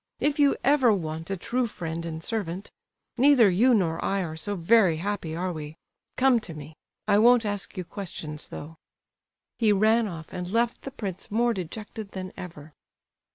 If you ever want a true friend and servant—neither you nor I are so very happy, are we?—come to me. I won't ask you questions, though." He ran off and left the prince more dejected than ever.